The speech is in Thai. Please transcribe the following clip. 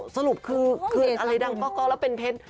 สรุปคืออะไรดังก็แล้วเป็นเพชร